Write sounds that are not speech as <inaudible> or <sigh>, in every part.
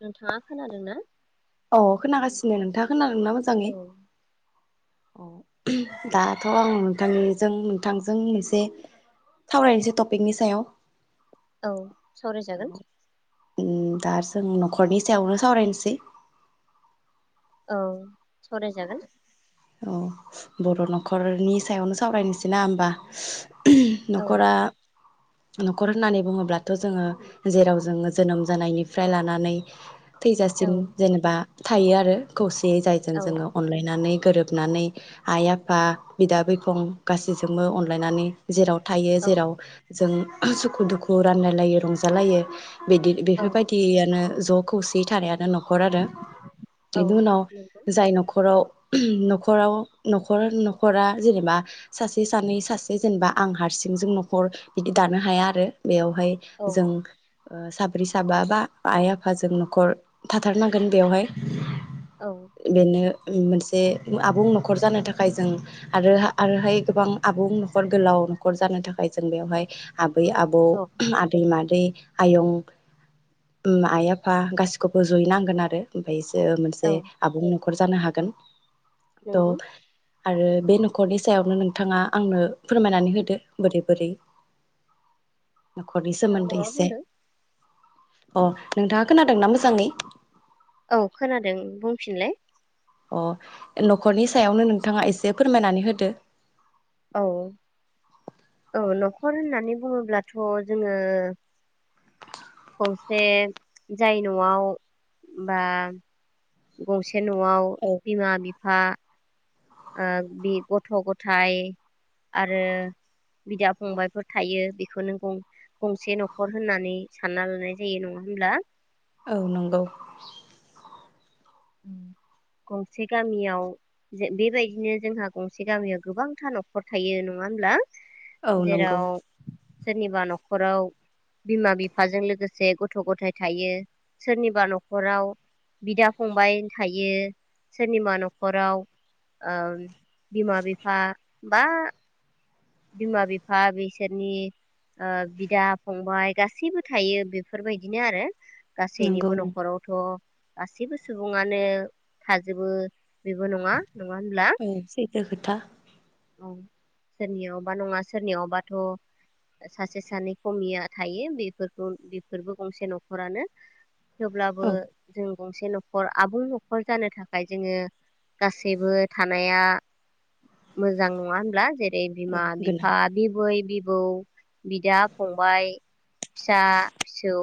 नोंथाङा खोनादों ना? अ खोनागासिनो नोंथाङा खोना दोंना औ मोजाङै? औ दाथ' आं नोंथांनिजों नोंथांजों मोनसे सावरायनोसै टपिकनि सायाव। औ सावराय जागोन। उम दा जों न'खरनि सायावनो सावरायनोसै। औ सावरायजागोन। औ बर' न'खरनि सायावनो सावरायनोसै ना होमबा। औ न'खरा न'खर होननानै बुङोब्लाथ' जोङो जेराव जोङो जोनोम जानायनिफ्राय लानानै औ थैजासिम जेनेबा थायो आरो खौसे। जे जायजों औ जोङो अनलायनानै गोरोब बनानै आइ आफा बिदा बिफं गासैजोंबो अनलायनानै जेराव थायो औ जेराव जों सुखु दुखु रानलायलायो रंजालायो। बिदि औ बेफोरबायदियानो ज' खौसेय थानायानो न'खर न'खर आरो औ बिनि उनाव नंगौ जाय न'खराव नख न'खराव न'खर न'खरा जेनेबा सासे सानै सासे जेनेबा आं हारसिंजों न'खर बिदि दानो हाया आरो बेयाव बेहाय औ जों ओ साब्रै साबा बा आइ आफाजों नखर थाथारनांगोन बेवहाय औ बेनो मोनसे आबुं नखर जानो थाखाय जों आरो आरोहाय गोबां आबुं नखर गोलाव नखर जानो थाखाय जों बेवहाय आं बै आबौ औ आदै मादै आयं, ओम आइ आफा गासिखौबो जयै नांगोन आरो ओमफाय सो मोनसे औ आबुं न खर जानो हागोन। द नंगौ आरो बे नखरनि सायावनो नोंथाङा आंनो फोरमायनानै होदो बोरै बोरै नखरनि नोंथाङा सोमोन्दै माबा इसे बुंदों अ नोंथाङा खोनादों ना मोजाङै औ खोनादों बुंफिनलाय अ नखरनि सायावनो नोंथाङा एसे फोरमायनानै होदो औ औ नखर होननानै बुङोब्लाथ जोङो गंसे जाय नआव बा गंसे नआव औ बिमा बि फा ओ बे गथ गथाय आरो बिदा फंबायफोर थायो बेखौनो जों गंसे नखर होननानै सानना लानाय जायो नङा होमब्ला औ नंगौ गंसे गामियाव बेबायदिनो जोंहा गंसे गामियाव गोबांथा नखर थायो नङा होमब्ला औ नंगौ जेराव सोरनिबा न खराव बिमा बिफाजों लोगोसे गथ गथाय थायो सोरनिबा नखराव बिदा फंबाय थायो, सोरनिबा नखराव ओ बिमा बिफा बा बिमा बिफा बिसोरनि ओ बिदा फंबाय गासैबो थायो बेफोरबायदिनो आरो नंगौ गासैनिबो नखरावथ गासैबो सुबुङानो थाजोबो बेबो नङा नङा होनब्ला थो खोथा औ सोरनियावबा नङा सोरनियावबाथ सासे सानै खमिया थायो बेफोरखौ बेफोरबो गंसे नखरानो थेवब्लाबो औ जों गंसे नखर आबुं नखर जानो थाखाय जोङो गासैबो थानाया मोजां नङा होनब्ला जे औ बिमा गोनां बिफा बिबै बि बौ, बिदा फंबाय, फिसा फिसौ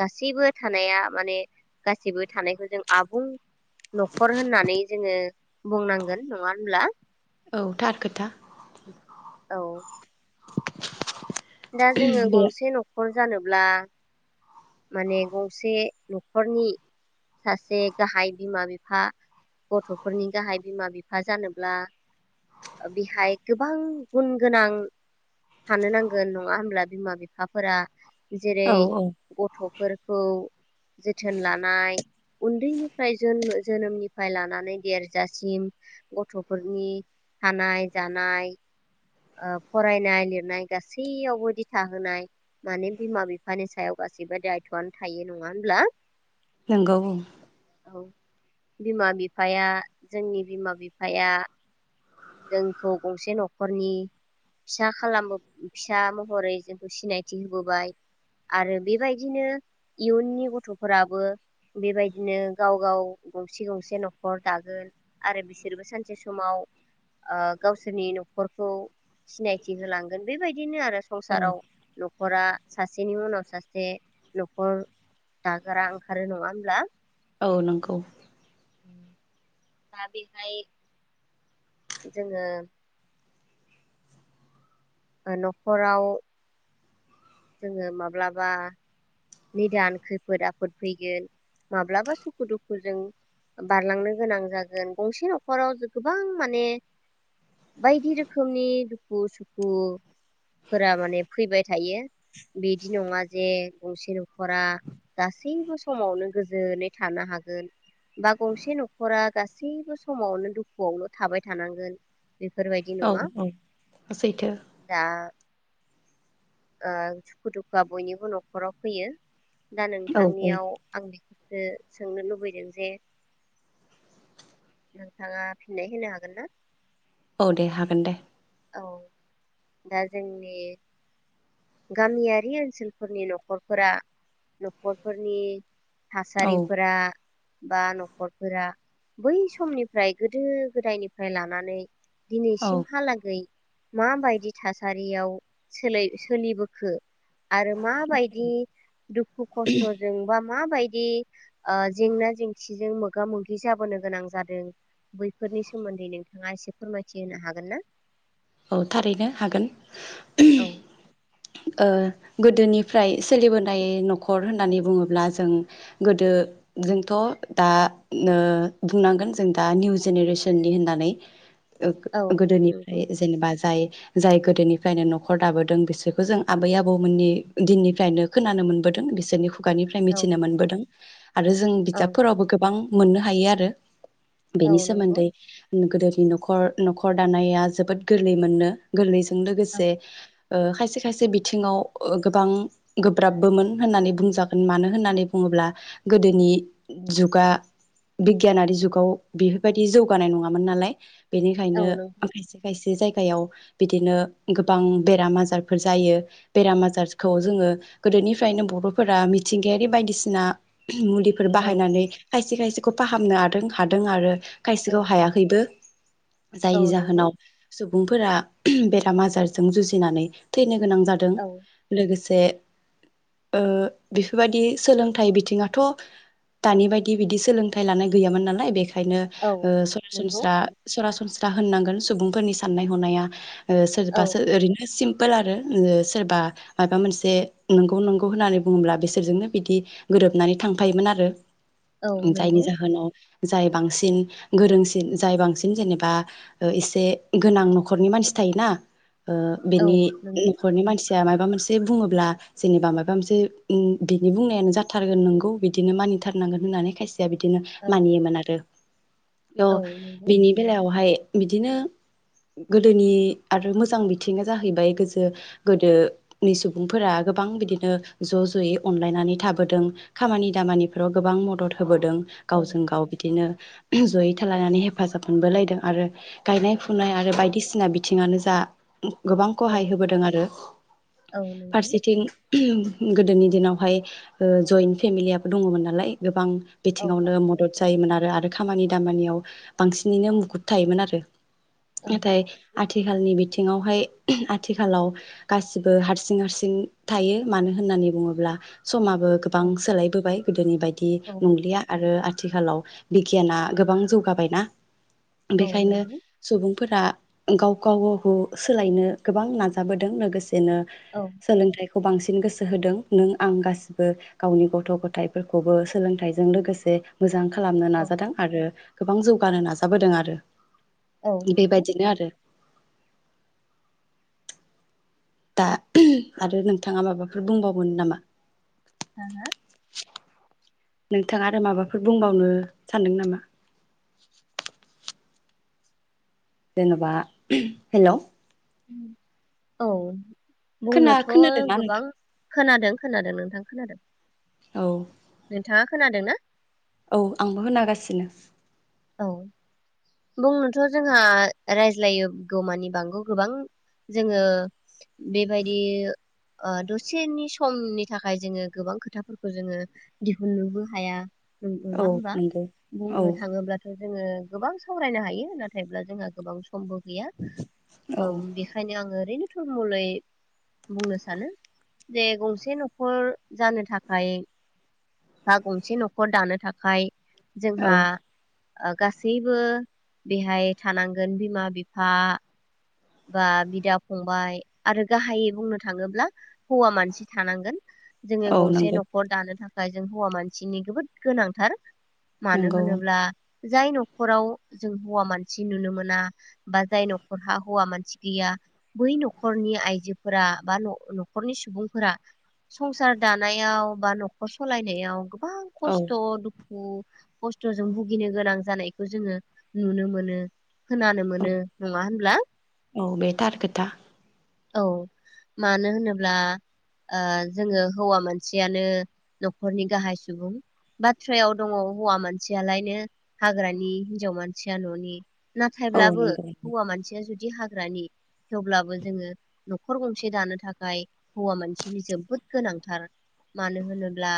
गासैबो थानाया माने गासैबो थानायखौ जों आबुं नखर होननानै जोङो बुंनांगोन नङा होनब्ला औ थार खोथा औ दा जोङो बे गंसे न नखर जानोब्ला माने गंसे न'खरनि सासे गाहाय बिमा बिफा गथ'फोरनि गाहाय बिमा बिफा जानोब्ला बेहाय गोबां गुन गोनां थानो नांगोन नङा होनब्ला बिमा बिफाफोरा औ जेरै- औ गथ'फोरखौ जोथोन लानाय उन्दैनिफ्राय जो जोनोमनिफ्राय लानानै देरजासिम गथ'फोरनि थानाय जानाय ओ फरायनाय लिरनाय गासैयावबो दिथा होनाय माने बिमा बिफानि सायाव गासैबो दायथ'आनो थायो नङा होमब्ला नोंगौ औ बिमा बिफाया जोंनि बिमा बिफाया जोंखौ गंसे न'खरनि फिसा खालाम फिसा महरै जोंखौ सिनायथि होबोबाय आरो बेबायदिनो इयुननि गथ'फोराबो बेबायदिनो गाव गाव गंसे गंसे न'खर दागोन आरो बिसोरबो सानसे समाव ओ गावसोरनि न'खरखौ सिनायथि होलांगोन बेबाय दिनो आरो संसाराव औ न'खरा सासेनि उनाव सासे न'खर दाग्रा ओंखारो नंङा होमब्ला। औ नंगौ <unintelligible> दा बेवहाय जोंङो न'खराव जोंङो माब्लाबा निदान खैफोद आफोद फैगोन माब्लाबा सुखु-दुखुजों बारलांनो गोनां जागोन गंसे न'खराव गोबां माने बायदि रोखोमनि दुखु-सुखुफोरा माने फैबाय थायो बिदि नङा जे गंसे न'खरा गासैबो समावनो गोजोनै थानो हागोन बा गंसे न'खरा गासैबो समावनो दुखुआवनो थाबाय थानांगोन। बेफोरबायदि औ नङा औ सैथो दा ओ सुखु दुखुआ बयनिबो न'खराव होयो दा औ औ नोंथांनियाव आं सोंनो लुबैदों जे नोंथाङा फिननाय होनो हागोन ना? औ दे हागोन दे औ दा जोंनि गामियारि ओनसोलफोरनि न'खरफोरा न'खरफोरनि औ थासारिफोरा बा न'खरफोरा बै समनिफ्राय गोदो गोदायनिफ्राय लानानै औ दिनैसिमहालागै माबायदि थासारियाव सोलाय सोलिबोखो आरो माबायदि दुखु खस्थ'जोंबा माबायदि ओ जेंना जेंसिजों मोगा मोगि जाबोनो गोनां जादों बैफोरनि सोमोन्दै नोंथाङा एसे फोरमायथि होनो हागोन ना? औ थारैनो हागोन औ ओ गोदोनिफ्राय सोलिबोनाय न'खर होननानै बुङोब्ला जों गोदो जोंथ' दा ओ बुंनांगोन जों दा निउ जेनेरेसननि होननानै औ नंगौ गोदोनिफ्राय जाय जाय गोदोनिफ्रायनो न'खर दाबोदों बिसोरखौ जों आबै आबौमोननि दिननिफ्रायनो खोनानो मोनबोदों बिसोरनि खुगानिफ्राय औ मिथिनो मोनबोदों आरो जों औ बिजाबफोरावबो गोबां मोननो हायो आरो औ बेनि नंगौ सोमोन्दै गोदो न'खर न'खर दानाया जोबोद गोरलै मोननो गोरलै जों औ लोगोसे ओ खायसे खायसे बिथिङाव ओ गोबां गोब्राबबोमोन होननानै बुंजागोन मानो होननानै बुङोब्ला गोदोनि जुगा बिगियानारि जुगाव बेफोरबायदि जौगानाय नङामोन नालाय। औ बेनिखायनो नंगौ <unintelligible> जे जायगायाव बिदिनो गोबां बेराम आजारफोर जायो बेराम आजारखौ जोङो गोदोनिफ्रायनो बर'फोरा मिथिंगायारि बायदिसिना मुलिफोर औ बाहायनानै खायसे खायसेखौ फाहामनो हादों हादों आरो औ खायसेखौ हायाखैबो। औ जायनि नंगौ जाहोनाव सुबुंफोरा बेराम आजारजों जुजिनानै थैनो गोनां जादों औ लोगो से ओ बेफोरबायदि सोलोंथाइ बिथिङाथ' दानि बायदि बिदि सोलोंथाइ लानाय गैयामोन नालाय। बे खायनो औ ओ नंगौ सरासनस्रा सरा सनस्रा होननांगोन सुबुं फोरनि साननाय हनाया ओ औ सोरबासो ओरैनो सिम पोल आरो सोरबा माबा मोनसे नंगौ नंगौ होननानै बुङोब्ला बिसोरजोंनो बिदि गोरोबनानै थांफायोमोन आरो औ जायनि नंगौ जाहोनाव जाय बांसिन गोरोंसिन जाय बांसिन जेनेबा ओ इसे गोनां न'खरनि मानसि थायोना ओ औ बेनि नंगौ न'खरनि मानसि जाया माबा मोनसे बुङोब्ला जेनेबा माबा मोनसे ओम बिनि बुंनायानो जाथारगोन नोंगौ बिदिनो मानिथारनांगोन होननानै खायसे या बिदिनो औ मानियोमोन आरो औ बिनि बेलायावहाय बिदिनो गोदोनि आरो मोजां बिथिङा जाहैबाय गोजो गोदोनि सुबुंफोरा गोबां बिदिनो ज' ज'यै अनलायनानै थाबोदों खामानि दामानिफोराव गोबां मदद होबोदों औ गावजों गाव बिदिनो। ज'यै थालायनानै हेफाजाब मोनबोलायदों आरो गायनाय औ फुनाय आरो बायदिसिना बि थिङानो जा गोबां औ खहाय होबोदों आरो औ नंगौ फारसेथिं गोदोनि दिनावहाय ओ जइन्ट फेमिलियाबो दङ'मोन नालाय गोबां औ बिथिङावनो मदद जायोमोन आरो आरो खामानि दामानियाव बांसिनैनो मुखुुब थायोमोन आरो औ नाथाय आथिखालनि बि थिङावहाय आथिखालाव गासिबो हारसिं हारसिं थायो। मानो होननानै बुङोब्ला समाबो गोबां सोलायबोबाय गोदोनि बायदि नंलिया आरो आथिखालाव बिगियाना गोबां जौगाबाय ना। औ बेखायनो नंगौ सुबुंफोरा गाव गाव गावखौ सोलायनो गोबां नाजाबोदों लोगोस एनो औ सोलोंथाय खौ बांसिन गोसो होदों नों आं गासिबो गावनि गथ' गथायाइफोरखौबो सोलोंथाइजों लोगोसे मोजां खालामनो औ नाजादों आरो गोबां जौगानो नाजाबोदों आरो औ नंगौ बेबायदिनो आरो दा आरो नोंथाङा माबाफोर बुंबावगोन नामा। हो हो। नोंथाङा आरो माबाफोर बुंबावनो सानदों नामा? जेन'बा हेल' औ। खोना खोनादोंना बुंनोथ' गोबां नोंथां खोनादों खोनादों नोंथां खोनादों। औ। नोंथाङा खोनादों ना। औ आंबो खोनागासिनो। औ। बुंनोथ' जोंहा रायज्लायोगौ मानि बांगौ गोबां जोङो बेबायदि ओ दसेनि समनि थाखाय जोङो गोबां खोथाफोरखौ जोङो दिहुननोबो हाया जों उंआ औ होमबा नंगौ औ बुंनो थाङोब्लाथ' जोङो गोबां सावरायनो हायो नाथायब्ला जोंहा गोबां खमबो गैया औ ओम बेखायनो आं ओरैनो थुरमुलै बुंनो सानो जे गंसे न'खर जानो थाखाय बा गंसे न'खर दानो थाखाय औ जोंहा गासैबो बेहाय थानांगोन बिमा बिफा बा बिदा फंबाय आरो गाहायै बुंनो थाङोब्ला हौवा मानसि थानांगोन जोङो औ गंसे नंगौ न'खर दानो थाख <unintelligible> हौवा मानसिनि जोबोद गोनांथार मानो नंगौ होनोब्ला जाय न'खराव जों हौवा मानसि नुनो मोना बा जाय न'खरहा हौवा मानसि गैया बै न'खरनि आइजोफोरा बा न'खरनि सुबुंफोरा संसार दानायाव बा न'खर सलायनायाव गोबां औ खस्थ' दख खस्थ'जों भुगिनो गोनां जानायखौ जोङो नुनो मोनो खोनानो औ मोनो नङा होनब्ला औ बेथार खोथा औ मानो होनोब्ला जोङो हौवा मानसियानो न'खरनि गाहाय सुबुं बाथ्रायाव दङ हौवा मानसियालायनो हाग्रानि हिनजाव मानसिया न'नि औ नाथायब्लाबो नंगौ हौवा मानसिया जुदि बिदि हाग्रानि थेवब्लाबो जोङो न'खर गंसे दानो थाखाय हौवा मानसिनि जोबोद गोनांथार मानो होनोब्ला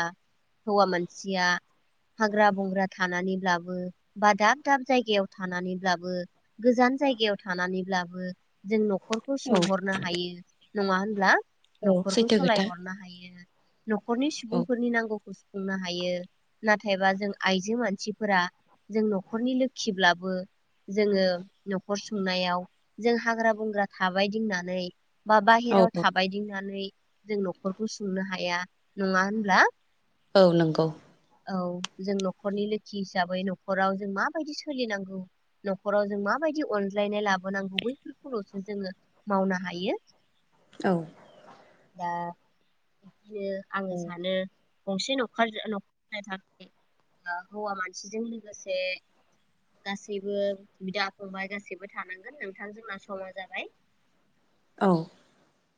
हौवा मानसिया हाग्रा बंग्रा थानानैब्लाबो बा दाब दाब जायगायाव थानानैब्लाबो गोजान जायगायाव थानानै बो जोंर नखरखौ औ सोंहरनो हायो नङा होनब्ला औ न'खरखौ सैथो खोथा सालायहरनो हायो न'खरनि औ सुबुंफोरनि नांगौखौ संनो हायो नाथायबा जों आइजो मानसिफोरा जों न'खरनि लोखिब्लाबो जोङो न'खर संनायाव जों हाग्रा बंग्रा थाबायदिंनानै बा औ बाहेराव औ थाबायदिंनानै जों न'खरखौ सुंनो हाया नङा होनब्ला औ नंगौ औ जों न'खरनि लोखि हिसाबै न'खराव जों माबायदि सोलिनांगौ न'खराव जों माबायदि अनज्लायनाय लाबो नांगौ बैफोरखौल'सो जोङो मावनो हायो औ दा खायनो आङो औ सानो गंसे हौवा मानसिजों लोगोसे गासैबो बिदा फंबाय गासैबो थानांगौ नोंथां जोंना समा जाबाय औ